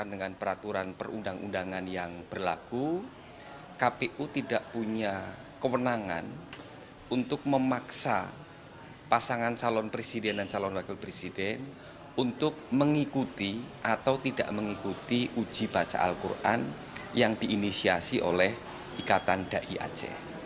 dengan peraturan perundang undangan yang berlaku kpu tidak punya kewenangan untuk memaksa pasangan calon presiden dan calon wakil presiden untuk mengikuti atau tidak mengikuti uji baca al quran yang diinisiasi oleh ikatan dai aceh